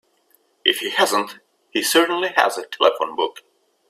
If he hasn't he certainly has a telephone book.